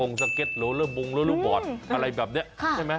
เล่นกระตุ่งสเปกสะเก็ดหรือละบุงหรือลูกบ่อตอะไรแบบนี้ใช่ไหม